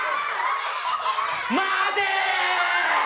待て！